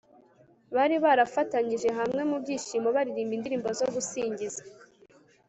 bari barafatanyirije hamwe mu byishimo baririmba indirimbo zo gusingiza